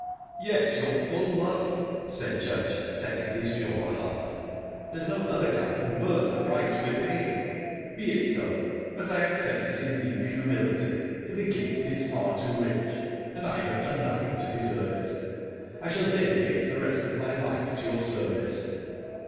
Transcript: "Yes, your full love," said Judge, setting his jaw hard. "There's no other kind worth the price we're paying. Be it so!...Bit I accept it in deep humility, for the gift is far too rich, and I have done nothing to deserve it...I shall dedicate the rest of my life to your service."